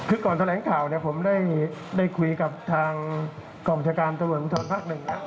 คือก่อนแถลงข่าวเนี่ยผมได้คุยกับทางกองชาการตำรวจภูทรภาคหนึ่ง